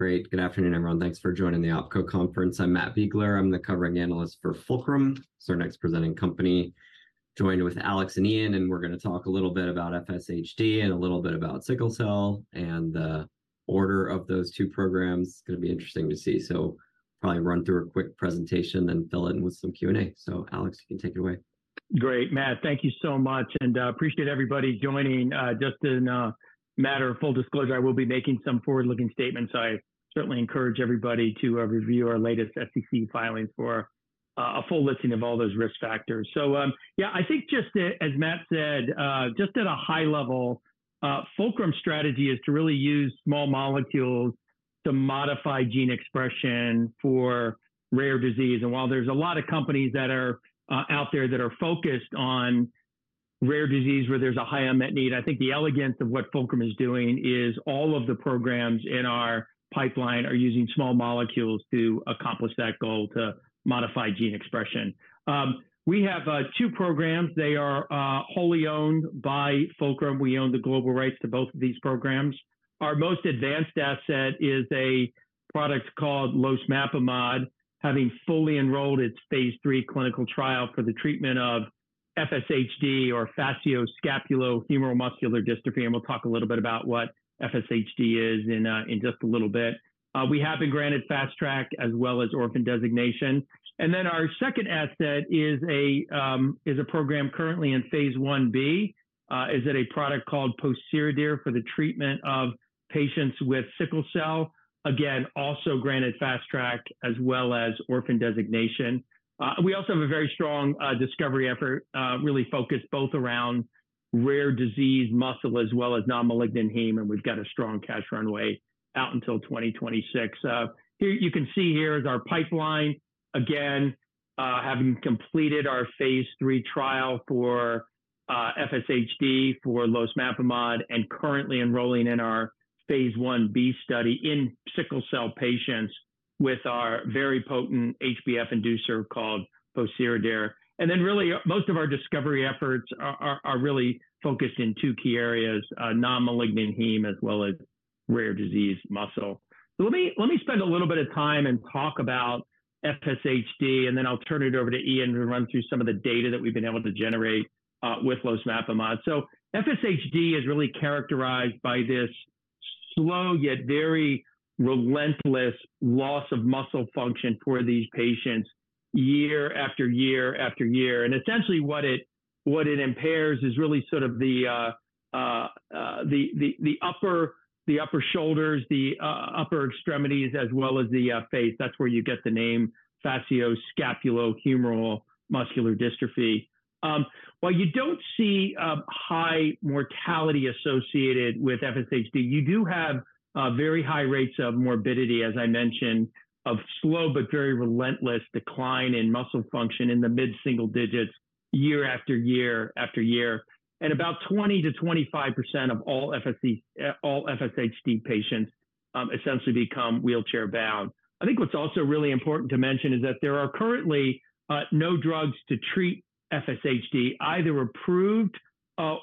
Great. Good afternoon, everyone. Thanks for joining the OpCo Conference. I'm Matthew Biegler. I'm the covering analyst for Fulcrum, so our next presenting company. Joined with Alex and Iain, and we're going to talk a little bit about FSHD and a little bit about sickle cell and the order of those two programs. It's going to be interesting to see, so probably run through a quick presentation then fill it in with some Q&A. So Alex, you can take it away. Great. Matt, thank you so much, and I appreciate everybody joining. Just as a matter of full disclosure, I will be making some forward-looking statements, so I certainly encourage everybody to review our latest SEC filings for a full listing of all those risk factors. So yeah, I think just as Matt said, just at a high level, Fulcrum's strategy is to really use small molecules to modify gene expression for rare disease. And while there's a lot of companies that are out there that are focused on rare disease where there's a high unmet need, I think the elegance of what Fulcrum is doing is all of the programs in our pipeline are using small molecules to accomplish that goal to modify gene expression. We have two programs. They are wholly owned by Fulcrum. We own the global rights to both of these programs. Our most advanced asset is a product called losmapimod, having fully enrolled its phase 3 clinical trial for the treatment of FSHD or facioscapulohumeral muscular dystrophy. We'll talk a little bit about what FSHD is in just a little bit. We have been granted Fast Track as well as orphan designation. Our second asset is a program currently in phase 1b. It is a product called pociredir for the treatment of patients with sickle cell. Again, also granted Fast Track as well as orphan designation. We also have a very strong discovery effort really focused both around rare disease muscle as well as non-malignant heme, and we've got a strong cash runway out until 2026. You can see here is our pipeline, again, having completed our phase 3 trial for FSHD for losmapimod and currently enrolling in our phase 1b study in sickle cell patients with our very potent HbF inducer called pociredir. And then really, most of our discovery efforts are really focused in two key areas, non-malignant heme as well as rare disease muscle. So let me spend a little bit of time and talk about FSHD, and then I'll turn it over to Iain to run through some of the data that we've been able to generate with losmapimod. So FSHD is really characterized by this slow yet very relentless loss of muscle function for these patients year after year after year. And essentially what it impairs is really sort of the upper, the upper shoulders, the upper extremities as well as the face. That's where you get the name, facioscapulohumeral muscular dystrophy. While you don't see high mortality associated with FSHD, you do have very high rates of morbidity, as I mentioned, of slow but very relentless decline in muscle function in the mid-single digits year after year after year. And about 20%-25% of all FSHD patients essentially become wheelchair-bound. I think what's also really important to mention is that there are currently no drugs to treat FSHD, either approved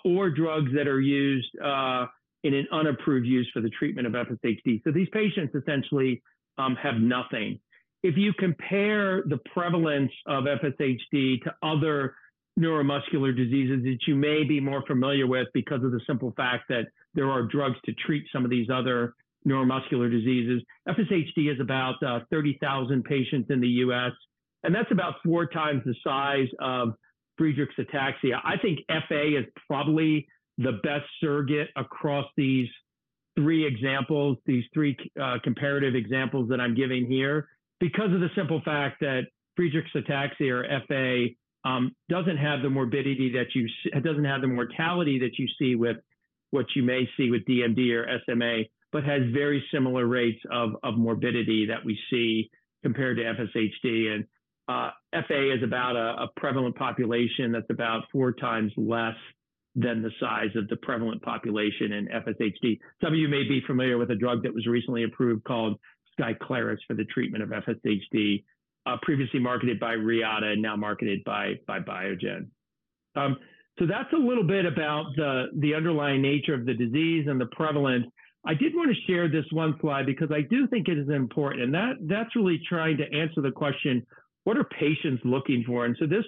or drugs that are used in an unapproved use for the treatment of FSHD. So these patients essentially have nothing. If you compare the prevalence of FSHD to other neuromuscular diseases that you may be more familiar with because of the simple fact that there are drugs to treat some of these other neuromuscular diseases, FSHD is about 30,000 patients in the U.S., and that's about four times the size of Friedreich's ataxia. I think FA is probably the best surrogate across these three examples, these three comparative examples that I'm giving here, because of the simple fact that Friedreich's ataxia or FA doesn't have the morbidity that you doesn't have the mortality that you see with what you may see with DMD or SMA, but has very similar rates of morbidity that we see compared to FSHD. FA is about a prevalent population that's about four times less than the size of the prevalent population in FSHD. Some of you may be familiar with a drug that was recently approved called SKYCLARYS for the treatment of FSHD, previously marketed by Reata and now marketed by Biogen. That's a little bit about the underlying nature of the disease and the prevalence. I did want to share this one slide because I do think it is important, and that's really trying to answer the question, what are patients looking for? This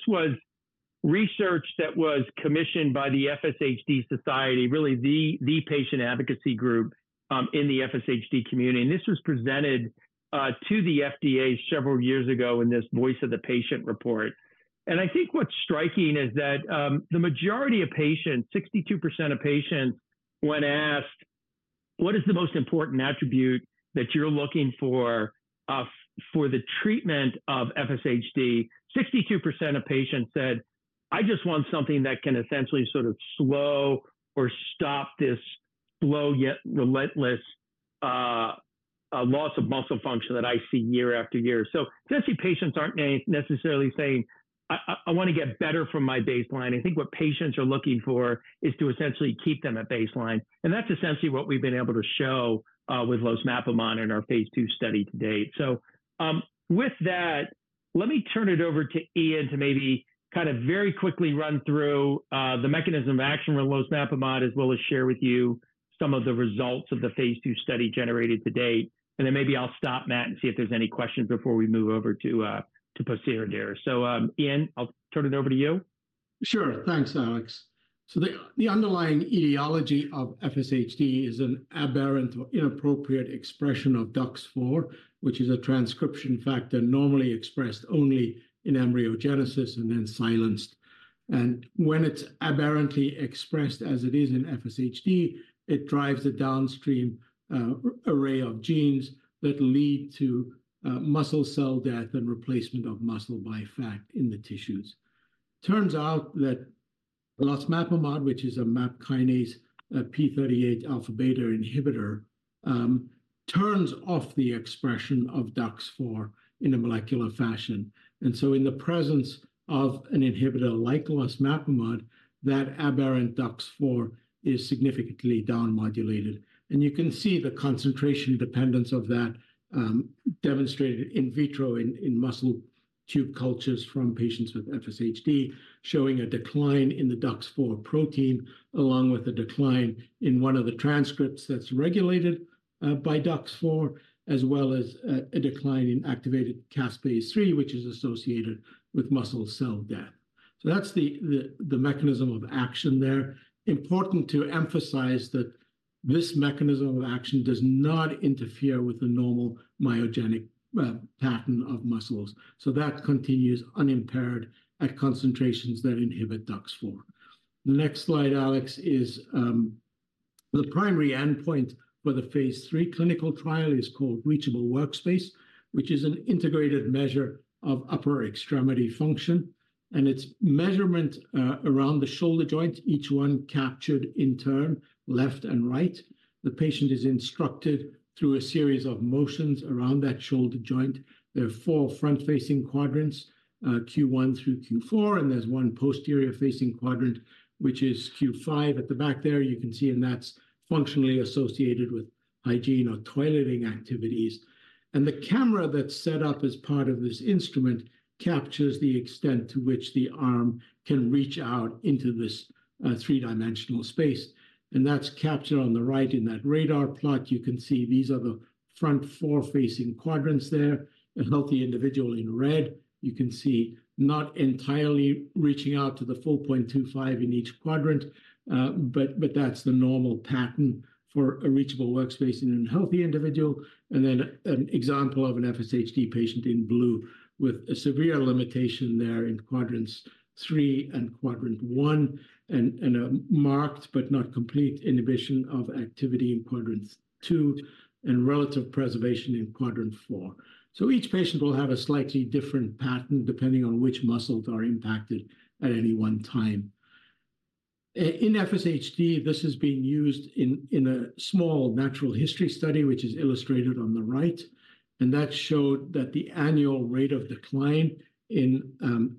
was research that was commissioned by the FSHD Society, really the patient advocacy group in the FSHD community. This was presented to the FDA several years ago in this Voice of the Patient report. I think what's striking is that the majority of patients, 62% of patients, when asked what is the most important attribute that you're looking for for the treatment of FSHD, 62% of patients said, I just want something that can essentially sort of slow or stop this slow yet relentless loss of muscle function that I see year after year. So essentially patients aren't necessarily saying, I want to get better from my baseline. I think what patients are looking for is to essentially keep them at baseline. And that's essentially what we've been able to show with losmapimod in our phase 2 study to date. So with that, let me turn it over to Iain to maybe kind of very quickly run through the mechanism of action with losmapimod as well as share with you some of the results of the phase 2 study generated to date. Then maybe I'll stop Matt and see if there's any questions before we move over to pociredir. Iain, I'll turn it over to you. Sure. Thanks, Alex. So the underlying etiology of FSHD is an aberrant, inappropriate expression of DUX4, which is a transcription factor normally expressed only in embryogenesis and then silenced. And when it's aberrantly expressed as it is in FSHD, it drives a downstream array of genes that lead to muscle cell death and replacement of muscle by fat in the tissues. Turns out that losmapimod, which is a MAPK p38 alpha beta inhibitor, turns off the expression of DUX4 in a molecular fashion. And so in the presence of an inhibitor like losmapimod, that aberrant DUX4 is significantly down-modulated. You can see the concentration dependence of that demonstrated in vitro in muscle tube cultures from patients with FSHD, showing a decline in the DUX4 protein along with a decline in one of the transcripts that's regulated by DUX4, as well as a decline in activated caspase-3, which is associated with muscle cell death. So that's the mechanism of action there. Important to emphasize that this mechanism of action does not interfere with the normal myogenic pattern of muscles. So that continues unimpaired at concentrations that inhibit DUX4. The next slide, Alex, is the primary endpoint for the phase 3 clinical trial is called Reachable Workspace, which is an integrated measure of upper extremity function. And it's measurement around the shoulder joint, each one captured in turn, left and right. The patient is instructed through a series of motions around that shoulder joint. There are four front-facing quadrants, Q1 through Q4, and there's one posterior-facing quadrant, which is Q5 at the back there. You can see, it's functionally associated with hygiene or toileting activities. The camera that's set up as part of this instrument captures the extent to which the arm can reach out into this three-dimensional space. That's captured on the right in that radar plot. You can see these are the front four-facing quadrants there, a healthy individual in red. You can see not entirely reaching out to the 4.25 in each quadrant, but that's the normal pattern for a Reachable Workspace in a healthy individual. Then an example of an FSHD patient in blue with a severe limitation there in quadrants 3 and quadrant 1, and a marked but not complete inhibition of activity in quadrants 2 and relative preservation in quadrant 4. Each patient will have a slightly different pattern depending on which muscles are impacted at any one time. In FSHD, this has been used in a small natural history study, which is illustrated on the right. That showed that the annual rate of decline in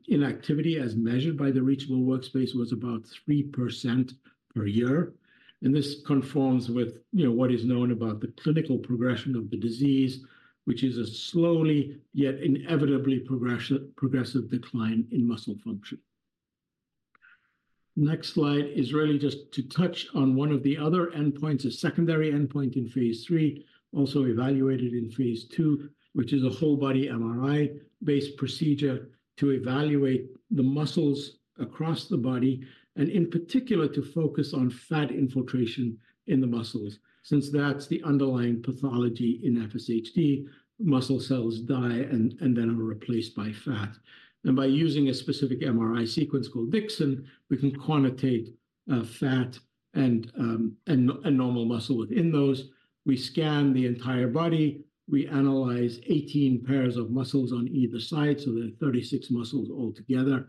inactivity as measured by the Reachable Workspace was about 3% per year. This conforms with what is known about the clinical progression of the disease, which is a slowly yet inevitably progressive decline in muscle function. Next slide is really just to touch on one of the other endpoints, a secondary endpoint in phase 3, also evaluated in phase 2, which is a whole-body MRI-based procedure to evaluate the muscles across the body and in particular to focus on fat infiltration in the muscles. Since that's the underlying pathology in FSHD, muscle cells die and then are replaced by fat. By using a specific MRI sequence called Dixon, we can quantitate fat and normal muscle within those. We scan the entire body. We analyze 18 pairs of muscles on either side. So there are 36 muscles altogether.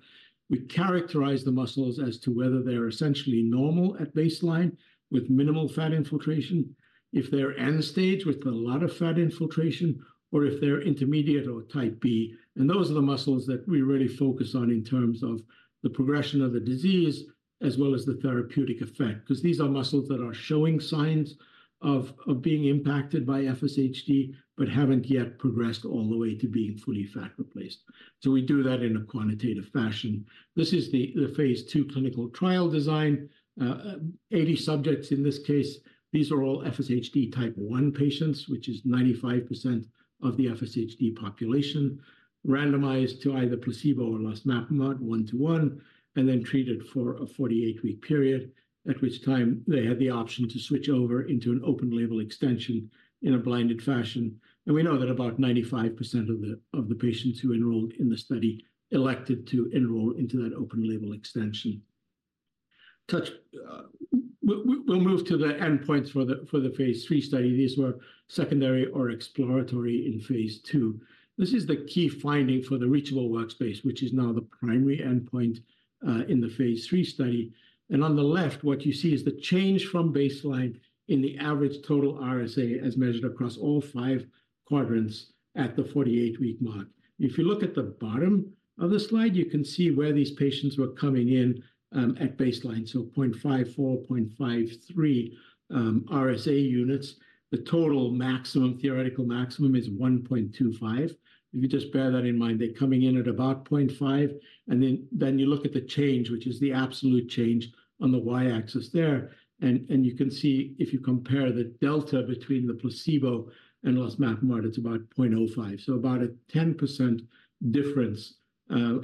We characterize the muscles as to whether they're essentially normal at baseline with minimal fat infiltration, if they're end-stage with a lot of fat infiltration, or if they're intermediate or Type B. And those are the muscles that we really focus on in terms of the progression of the disease as well as the therapeutic effect, because these are muscles that are showing signs of being impacted by FSHD but haven't yet progressed all the way to being fully fat replaced. So we do that in a quantitative fashion. This is the phase 2 clinical trial design, 80 subjects in this case. These are all FSHD Type 1 patients, which is 95% of the FSHD population, randomized to either placebo or losmapimod 1:1, and then treated for a 48-week period, at which time they had the option to switch over into an open-label extension in a blinded fashion. We know that about 95% of the patients who enrolled in the study elected to enroll into that open-label extension. We'll move to the endpoints for the phase 3 study. These were secondary or exploratory in phase 2. This is the key finding for the Reachable Workspace, which is now the primary endpoint in the phase 3 study. On the left, what you see is the change from baseline in the average total RSA as measured across all 5 quadrants at the 48-week mark. If you look at the bottom of the slide, you can see where these patients were coming in at baseline. So 0.54, 0.53 RSA units. The total maximum, theoretical maximum is 1.25. If you just bear that in mind, they're coming in at about 0.5. And then you look at the change, which is the absolute change on the y-axis there. And you can see if you compare the delta between the placebo and losmapimod, it's about 0.05. So about a 10% difference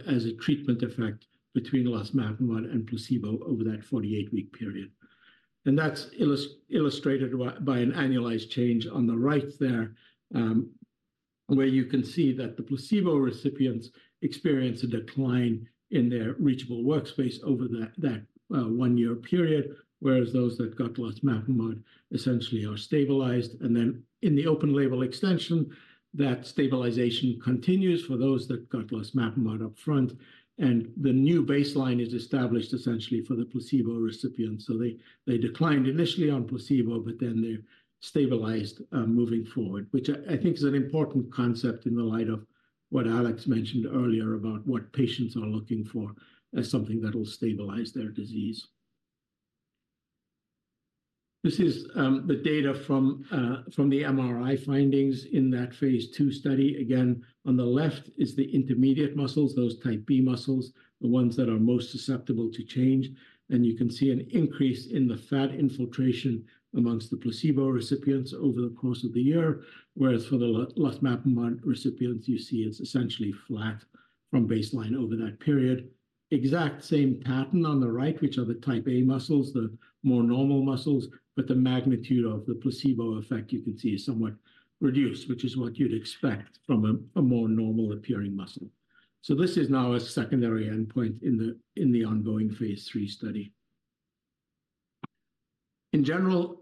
as a treatment effect between losmapimod and placebo over that 48-week period. And that's illustrated by an annualized change on the right there, where you can see that the placebo recipients experience a decline in their Reachable Workspace over that one-year period, whereas those that got losmapimod essentially are stabilized. And then in the open-label extension, that stabilization continues for those that got losmapimod upfront. The new baseline is established essentially for the placebo recipients. They declined initially on placebo, but then they're stabilized moving forward, which I think is an important concept in the light of what Alex mentioned earlier about what patients are looking for as something that will stabilize their disease. This is the data from the MRI findings in that phase 2 study. Again, on the left is the intermediate muscles, those Type B muscles, the ones that are most susceptible to change. You can see an increase in the fat infiltration among the placebo recipients over the course of the year, whereas for the losmapimod recipients, you see it's essentially flat from baseline over that period. Exact same pattern on the right, which are the Type A muscles, the more normal muscles. But the magnitude of the placebo effect you can see is somewhat reduced, which is what you'd expect from a more normal-appearing muscle. So this is now a secondary endpoint in the ongoing phase 3 study. In general,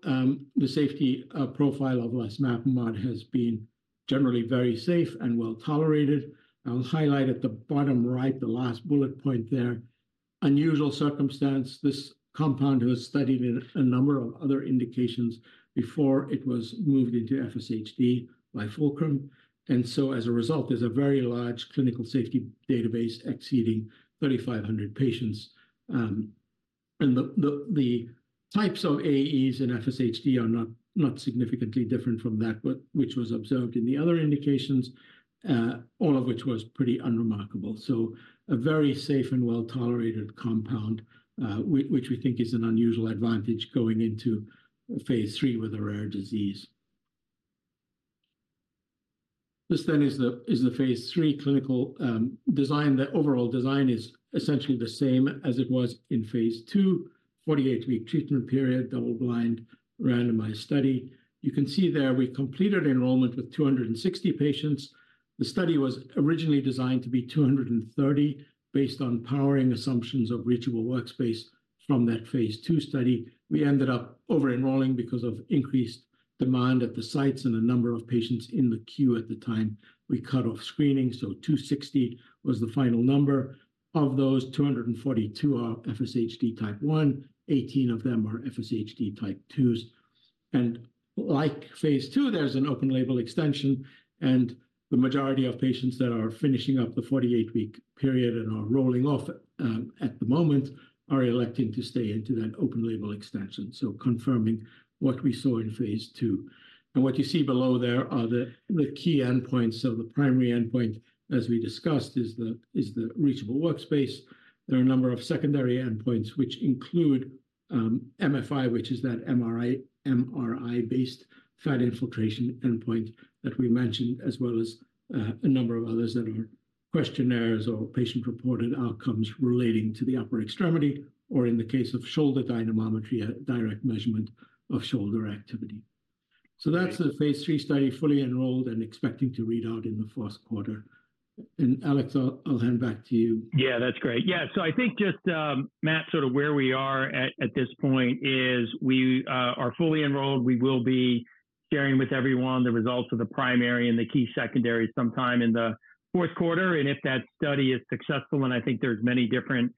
the safety profile of losmapimod has been generally very safe and well tolerated. I'll highlight at the bottom right, the last bullet point there, unusual circumstance. This compound was studied in a number of other indications before it was moved into FSHD by Fulcrum. And so as a result, there's a very large clinical safety database exceeding 3,500 patients. And the types of AEs in FSHD are not significantly different from that, which was observed in the other indications, all of which was pretty unremarkable. So a very safe and well-tolerated compound, which we think is an unusual advantage going into phase 3 with a rare disease. This then is the phase 3 clinical design. The overall design is essentially the same as it was in phase 2, 48-week treatment period, double-blind, randomized study. You can see there we completed enrollment with 260 patients. The study was originally designed to be 230 based on powering assumptions of Reachable Workspace from that phase 2 study. We ended up over-enrolling because of increased demand at the sites and a number of patients in the queue at the time we cut off screening. So 260 was the final number of those. 242 are FSHD Type 1, 18 of them are FSHD Type 2s. And like phase 2, there's an open-label extension. And the majority of patients that are finishing up the 48-week period and are rolling off at the moment are electing to stay into that open-label extension. So confirming what we saw in phase 2. What you see below there are the key endpoints. So the primary endpoint, as we discussed, is the Reachable Workspace. There are a number of secondary endpoints, which include MFI, which is that MRI-based fat infiltration endpoint that we mentioned, as well as a number of others that are questionnaires or patient-reported outcomes relating to the upper extremity, or in the case of shoulder dynamometry, a direct measurement of shoulder activity. So that's the phase 3 study fully enrolled and expecting to read out in the fourth quarter. And Alex, I'll hand back to you. Yeah, that's great. Yeah. So I think just, Matt, sort of where we are at this point is we are fully enrolled. We will be sharing with everyone the results of the primary and the key secondary sometime in the fourth quarter. And if that study is successful, and I think there's many different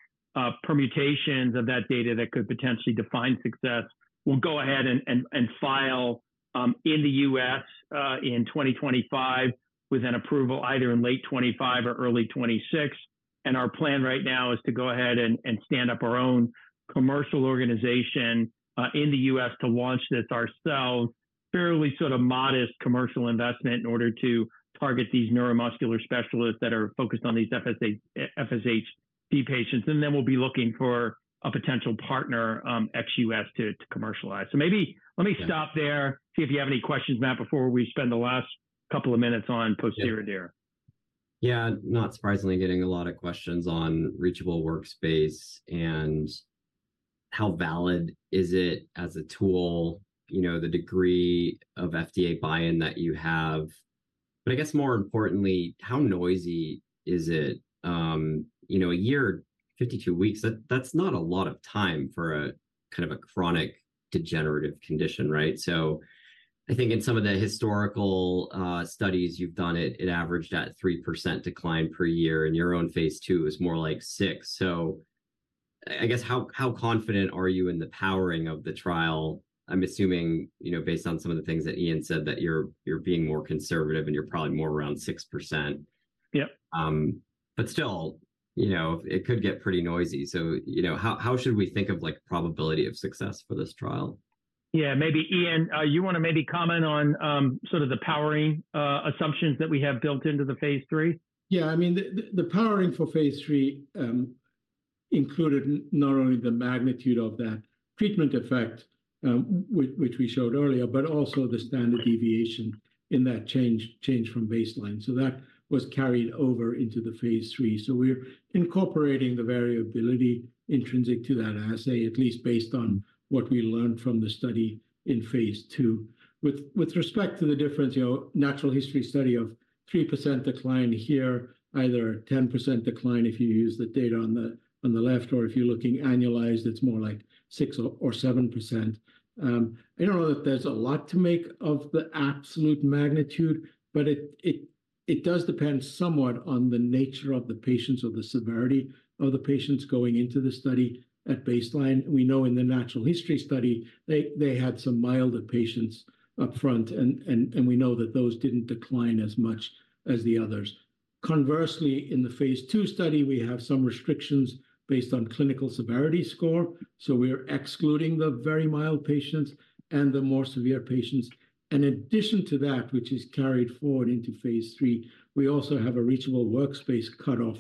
permutations of that data that could potentially define success, we'll go ahead and file in the U.S. in 2025 with an approval either in late 2025 or early 2026. And our plan right now is to go ahead and stand up our own commercial organization in the U.S. to launch this ourselves, fairly sort of modest commercial investment in order to target these neuromuscular specialists that are focused on these FSHD patients. And then we'll be looking for a potential partner ex-U.S. to commercialize. Maybe let me stop there, see if you have any questions, Matt, before we spend the last couple of minutes on pociredir. Yeah, not surprisingly, getting a lot of questions on Reachable Workspace and how valid is it as a tool, the degree of FDA buy-in that you have. But I guess more importantly, how noisy is it? A year, 52 weeks, that's not a lot of time for kind of a chronic degenerative condition, right? So I think in some of the historical studies you've done, it averaged at 3% decline per year. And your own phase 2 is more like 6. So I guess how confident are you in the powering of the trial? I'm assuming based on some of the things that Iain said that you're being more conservative and you're probably more around 6%. But still, it could get pretty noisy. So how should we think of probability of success for this trial? Yeah, maybe Iain, you want to maybe comment on sort of the powering assumptions that we have built into the phase three? Yeah, I mean, the powering for phase three included not only the magnitude of that treatment effect, which we showed earlier, but also the standard deviation in that change from baseline. So that was carried over into the phase three. So we're incorporating the variability intrinsic to that assay, at least based on what we learned from the study in phase two. With respect to the difference, natural history study of 3% decline here, either 10% decline if you use the data on the left, or if you're looking annualized, it's more like 6 or 7%. I don't know that there's a lot to make of the absolute magnitude, but it does depend somewhat on the nature of the patients or the severity of the patients going into the study at baseline. We know in the natural history study, they had some milder patients upfront, and we know that those didn't decline as much as the others. Conversely, in the phase 2 study, we have some restrictions based on clinical severity score. So we're excluding the very mild patients and the more severe patients. In addition to that, which is carried forward into phase 3, we also have a Reachable Workspace cutoff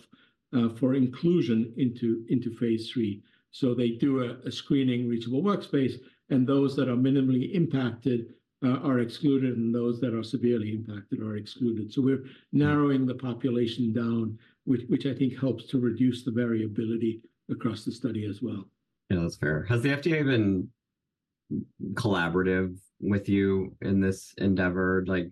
for inclusion into phase 3. So they do a screening Reachable Workspace, and those that are minimally impacted are excluded, and those that are severely impacted are excluded. So we're narrowing the population down, which I think helps to reduce the variability across the study as well. Yeah, that's fair. Has the FDA been collaborative with you in this endeavor? I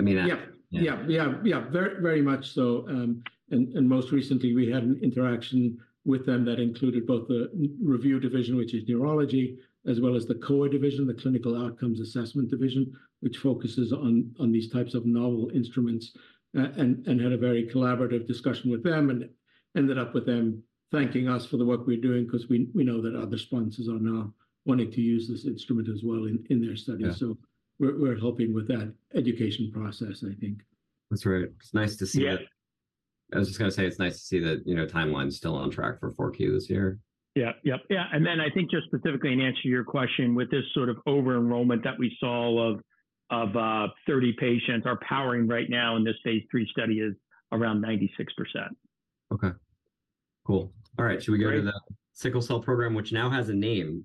mean. Yeah, yeah, yeah, yeah, very much so. And most recently, we had an interaction with them that included both the review division, which is neurology, as well as the COA division, the Clinical Outcomes Assessment Division, which focuses on these types of novel instruments, and had a very collaborative discussion with them and ended up with them thanking us for the work we're doing because we know that other sponsors are now wanting to use this instrument as well in their study. So we're helping with that education process, I think. That's right. It's nice to see it. I was just going to say it's nice to see that timeline is still on track for 4Q this year. Yeah, yep, yeah. And then I think just specifically in answer to your question, with this sort of over-enrollment that we saw of 30 patients, our powering right now in this phase 3 study is around 96%. Okay, cool. All right. Should we go to the sickle cell program, which now has a name?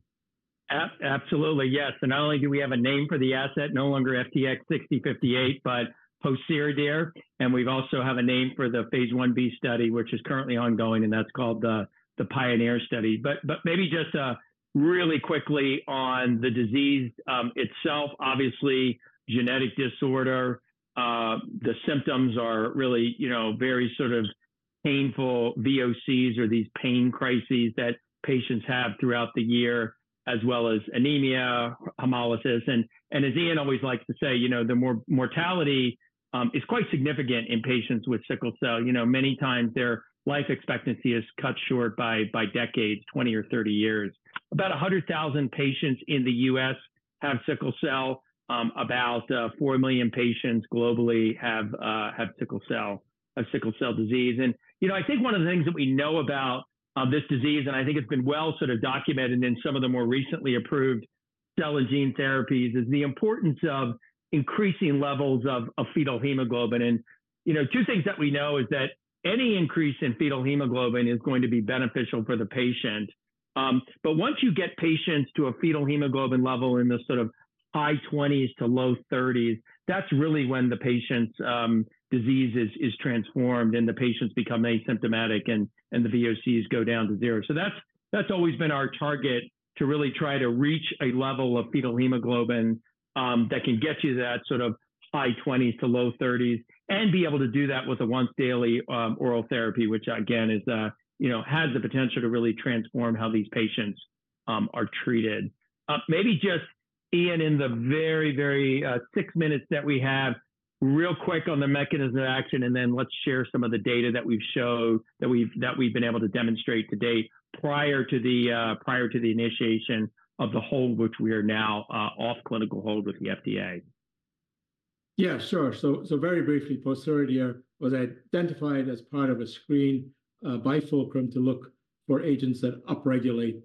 Absolutely, yes. And not only do we have a name for the asset, no longer FTX-6058, but pociredir. And we also have a name for the phase 1b study, which is currently ongoing, and that's called the PIONEER Study. But maybe just really quickly on the disease itself, obviously, genetic disorder, the symptoms are really very sort of painful VOCs or these pain crises that patients have throughout the year, as well as anemia, hemolysis. And as Iain always likes to say, the mortality is quite significant in patients with sickle cell. Many times, their life expectancy is cut short by decades, 20 or 30 years. About 100,000 patients in the U.S. have sickle cell. About 4 million patients globally have sickle cell disease. And I think one of the things that we know about this disease, and I think it's been well sort of documented in some of the more recently approved cell and gene therapies, is the importance of increasing levels of fetal hemoglobin. And two things that we know is that any increase in fetal hemoglobin is going to be beneficial for the patient. But once you get patients to a fetal hemoglobin level in the sort of high 20s to low 30s, that's really when the patient's disease is transformed and the patients become asymptomatic and the VOCs go down to zero. So that's always been our target to really try to reach a level of fetal hemoglobin that can get you to that sort of high 20s-low 30s and be able to do that with a once-daily oral therapy, which, again, has the potential to really transform how these patients are treated. Maybe just, Iain, in the very, very six minutes that we have, real quick on the mechanism of action, and then let's share some of the data that we've showed that we've been able to demonstrate to date prior to the initiation of the hold, which we are now off clinical hold with the FDA. Yeah, sure. So very briefly, pociredir was identified as part of a screen by Fulcrum to look for agents that upregulate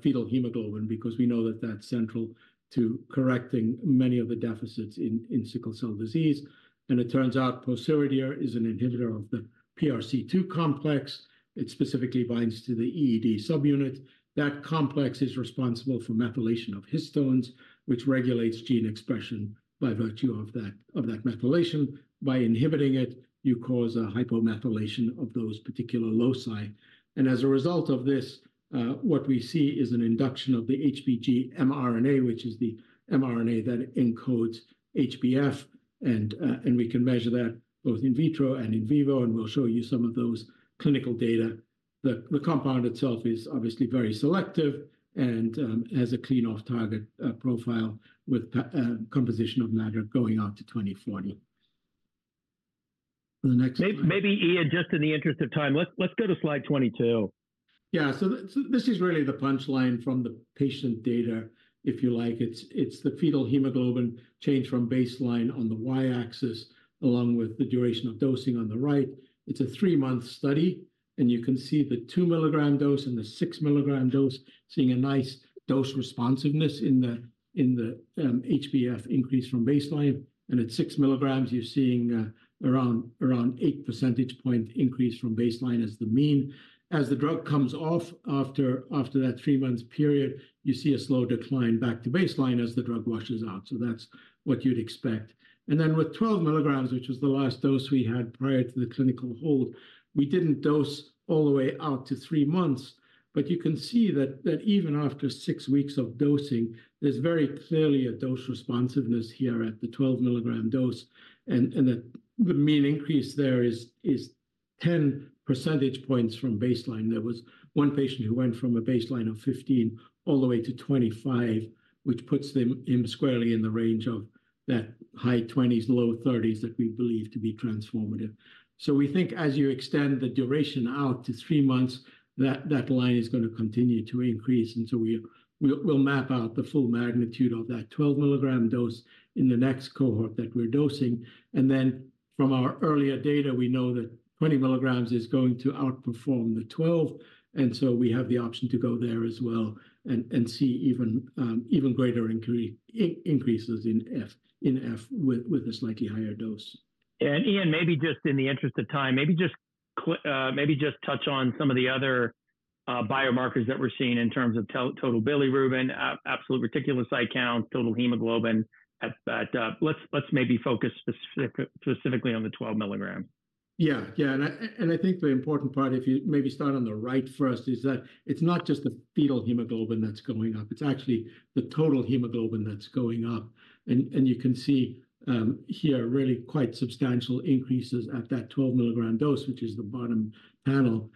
fetal hemoglobin because we know that that's central to correcting many of the deficits in sickle cell disease. And it turns out pociredir is an inhibitor of the PRC2 complex. It specifically binds to the EED subunit. That complex is responsible for methylation of histones, which regulates gene expression by virtue of that methylation. By inhibiting it, you cause a hypomethylation of those particular loci. And as a result of this, what we see is an induction of the HBG mRNA, which is the mRNA that encodes HbF. And we can measure that both in vitro and in vivo, and we'll show you some of those clinical data. The compound itself is obviously very selective and has a clean off-target profile with composition of matter going out to 2040. The next. Maybe, Iain, just in the interest of time, let's go to slide 22. Yeah, so this is really the punchline from the patient data, if you like. It's the fetal hemoglobin change from baseline on the Y axis, along with the duration of dosing on the right. It's a 3-month study, and you can see the 2 milligram dose and the 6 milligram dose, seeing a nice dose responsiveness in the HbF increase from baseline. And at 6 milligrams, you're seeing around 8 percentage point increase from baseline as the mean. As the drug comes off after that 3-month period, you see a slow decline back to baseline as the drug washes out. So that's what you'd expect. And then with 12 milligrams, which was the last dose we had prior to the clinical hold, we didn't dose all the way out to 3 months. But you can see that even after 6 weeks of dosing, there's very clearly a dose responsiveness here at the 12 mg dose. And the mean increase there is 10 percentage points from baseline. There was one patient who went from a baseline of 15 all the way to 25, which puts them squarely in the range of that high 20s, low 30s that we believe to be transformative. So we think as you extend the duration out to three months, that line is going to continue to increase. And so we'll map out the full magnitude of that 12 mg dose in the next cohort that we're dosing. And then from our earlier data, we know that 20 mg is going to outperform the 12. And so we have the option to go there as well and see even greater increases in F with a slightly higher dose. Iain, maybe just in the interest of time, maybe just touch on some of the other biomarkers that we're seeing in terms of total bilirubin, absolute reticulocyte count, total hemoglobin. Let's maybe focus specifically on the 12 milligrams. Yeah, yeah. And I think the important part, if you maybe start on the right first, is that it's not just the fetal hemoglobin that's going up. It's actually the total hemoglobin that's going up. And you can see here really quite substantial increases at that 12 mg dose, which is the bottom panel,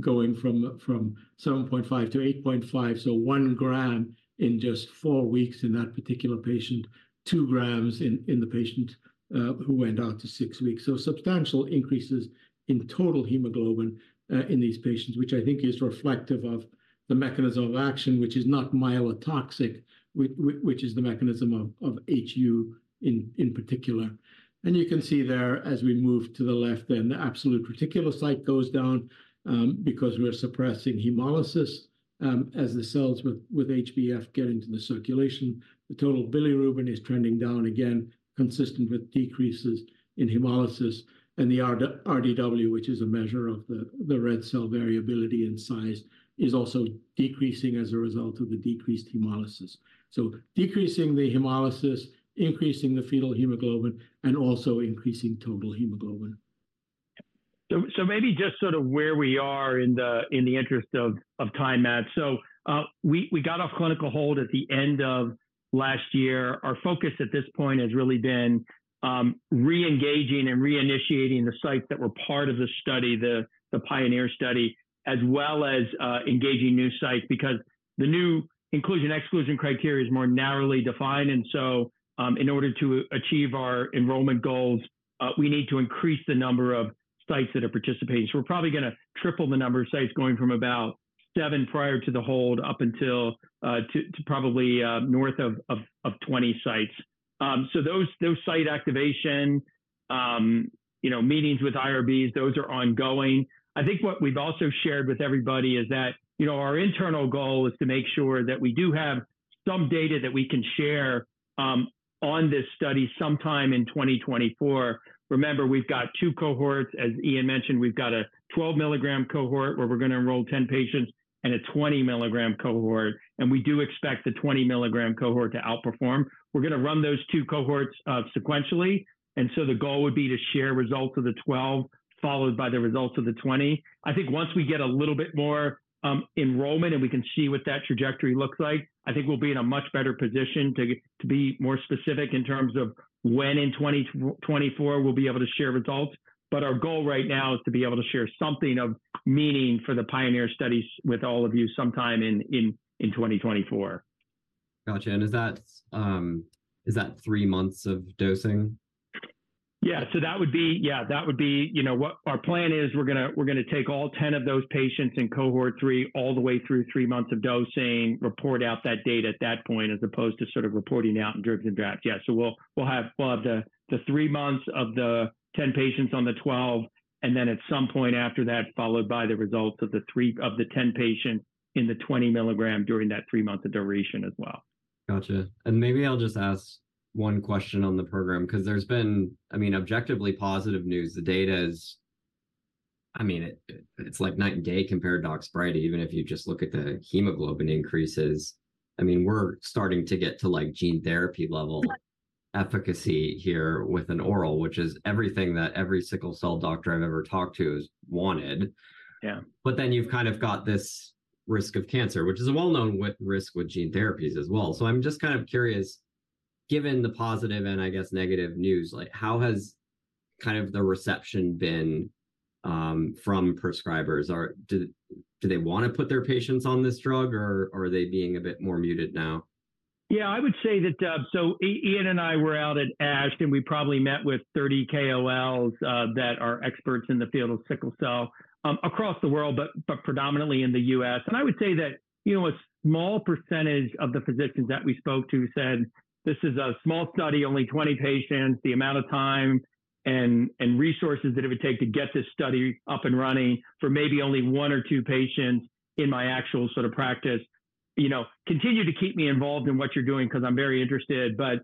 going from 7.5 to 8.5. So 1 gram in just 4 weeks in that particular patient, 2 grams in the patient who went out to 6 weeks. So substantial increases in total hemoglobin in these patients, which I think is reflective of the mechanism of action, which is not myelotoxic, which is the mechanism of HU in particular. And you can see there as we move to the left, then the absolute reticulocyte goes down because we're suppressing hemolysis as the cells with HbF get into the circulation. The total bilirubin is trending down again, consistent with decreases in hemolysis. The RDW, which is a measure of the red cell variability and size, is also decreasing as a result of the decreased hemolysis. Decreasing the hemolysis, increasing the fetal hemoglobin, and also increasing total hemoglobin. So maybe just sort of where we are in the interest of time, Matt. So we got off clinical hold at the end of last year. Our focus at this point has really been reengaging and reinitiating the sites that were part of the study, the PIONEER Study, as well as engaging new sites because the new inclusion/exclusion criteria is more narrowly defined. And so in order to achieve our enrollment goals, we need to increase the number of sites that are participating. So we're probably going to triple the number of sites going from about 7 prior to the hold up until probably north of 20 sites. So those site activation, meetings with IRBs, those are ongoing. I think what we've also shared with everybody is that our internal goal is to make sure that we do have some data that we can share on this study sometime in 2024. Remember, we've got 2 cohorts. As Iain mentioned, we've got a 12 milligram cohort where we're going to enroll 10 patients and a 20 milligram cohort. We do expect the 20 milligram cohort to outperform. We're going to run those 2 cohorts sequentially. So the goal would be to share results of the 12, followed by the results of the 20. I think once we get a little bit more enrollment and we can see what that trajectory looks like, I think we'll be in a much better position to be more specific in terms of when in 2024 we'll be able to share results. But our goal right now is to be able to share something of meaning for the PIONEER studies with all of you sometime in 2024. Gotcha. Is that three months of dosing? Yeah. So that would be yeah, that would be what our plan is. We're going to take all 10 of those patients in cohort 3 all the way through 3 months of dosing, report out that data at that point, as opposed to sort of reporting out in dribs and drabs. Yeah. So we'll have the 3 months of the 10 patients on the 12, and then at some point after that, followed by the results of the 10 patients in the 20 milligram during that 3-month duration as well. Gotcha. And maybe I'll just ask one question on the program because there's been, I mean, objectively positive news. The data is, I mean, it's like night and day compared to Oxbryta, even if you just look at the hemoglobin increases. I mean, we're starting to get to gene therapy level efficacy here with an oral, which is everything that every sickle cell doctor I've ever talked to has wanted. But then you've kind of got this risk of cancer, which is a well-known risk with gene therapies as well. So I'm just kind of curious, given the positive and, I guess, negative news, how has kind of the reception been from prescribers? Do they want to put their patients on this drug, or are they being a bit more muted now? Yeah, I would say that so Iain and I were out at ASH, and we probably met with 30 KOLs that are experts in the field of sickle cell across the world, but predominantly in the U.S. And I would say that a small percentage of the physicians that we spoke to said, "This is a small study, only 20 patients. The amount of time and resources that it would take to get this study up and running for maybe only one or two patients in my actual sort of practice, continue to keep me involved in what you're doing because I'm very interested." But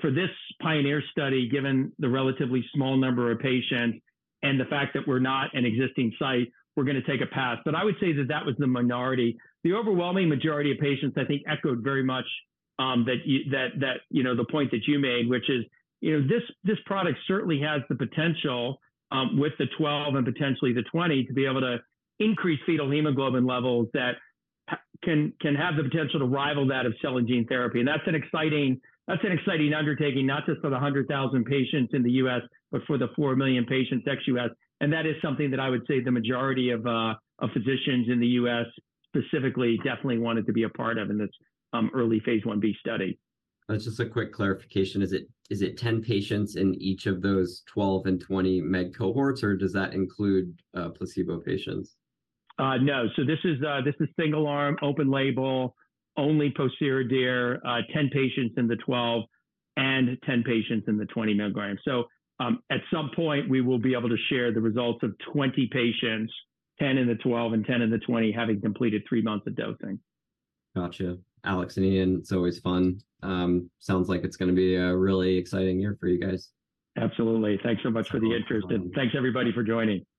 for this PIONEER study, given the relatively small number of patients and the fact that we're not an existing site, we're going to take a pass. But I would say that that was the minority. The overwhelming majority of patients, I think, echoed very much the point that you made, which is this product certainly has the potential with the 12 and potentially the 20 to be able to increase fetal hemoglobin levels that can have the potential to rival that of cell and gene therapy. That's an exciting undertaking, not just for the 100,000 patients in the U.S., but for the 4 million patients ex-U.S. That is something that I would say the majority of physicians in the U.S. specifically definitely wanted to be a part of in this early phase 1b study. Just a quick clarification. Is it 10 patients in each of those 12- and 20-mg cohorts, or does that include placebo patients? No. So this is single-arm, open-label, only pociredir, 10 patients in the 12 mg and 10 patients in the 20 mg. So at some point, we will be able to share the results of 20 patients, 10 in the 12 mg and 10 in the 20 mg, having completed three months of dosing. Gotcha. Alex and Iain, it's always fun. Sounds like it's going to be a really exciting year for you guys. Absolutely. Thanks so much for the interest. Thanks, everybody, for joining.